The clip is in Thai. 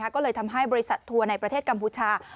ก็เลยทำให้บริษัททัวร์ในประเทศกัมพูชา